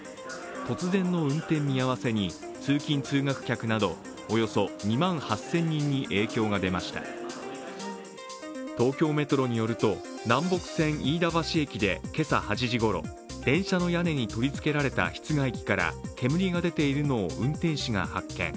突然の運転見合わせに、通勤・通学客などおよそ２万８０００人に影響が出ました東京メトロによると南北線・飯田橋駅で今朝８時ごろ、電車の屋根に取り付けられた室外機から煙が出ているのを運転手が発見。